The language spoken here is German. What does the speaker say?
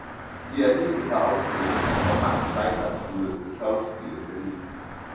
Sie erhielt ihre Ausbildung an der Max-Reinhardt-Schule für Schauspiel in Berlin.